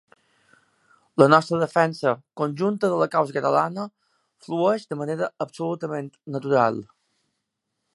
La nostra defensa conjunta de la causa catalana flueix de manera absolutament natural.